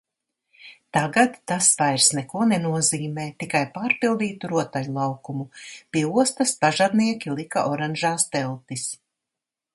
Tagad tas vairs neko nenozīmē. Tikai pārpildītu rotaļlaukumu. Pie ostas pažarnieki lika oranžās teltis.